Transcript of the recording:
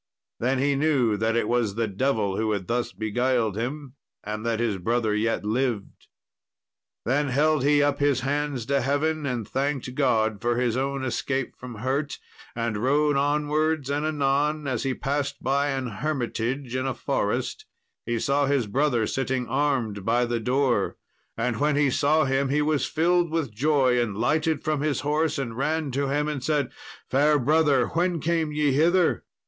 Then he knew that it was the devil who had thus beguiled him, and that his brother yet lived. Then held he up his hands to heaven, and thanked God for his own escape from hurt, and rode onwards; and anon, as he passed by an hermitage in a forest, he saw his brother sitting armed by the door. And when he saw him he was filled with joy, and lighted from his horse, and ran to him and said, "Fair brother, when came ye hither?"